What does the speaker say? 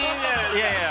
◆いやいや。